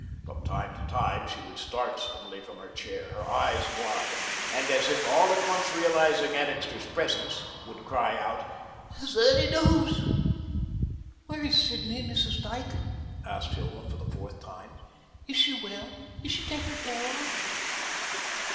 From time to time she would start suddenly from her chair, her eyes wide, and as if all at once realising Annixter's presence, would cry out: "Is there any news?" "Where is Sidney, Mrs. Dyke?" asked Hilma for the fourth time. "Is she well? Is she taken care of?"